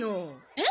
えっ！